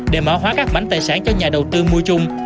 để mã hóa các bánh tài sản cho nhà đầu tư mua chung